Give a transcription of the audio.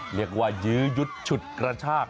เรียกว่ายืดชุดกระชาก